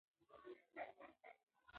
موږ غواړو چې یو فلم جوړ کړو.